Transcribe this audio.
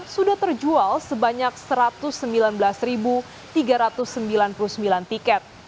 sudah terjual sebanyak satu ratus sembilan belas tiga ratus sembilan puluh sembilan tiket